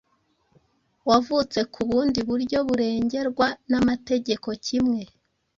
wavutse ku bundi buryo barengerwa n’amategeko kimwe.